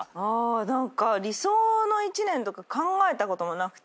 何か理想の１年とか考えたこともなくて。